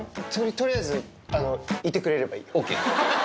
とりあえず、いてくれればいＯＫ。